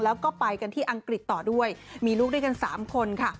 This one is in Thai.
แล้วก็ไปกันที่อังกฤษต่อด้วยมีลูกด้วยกัน๓คนค่ะ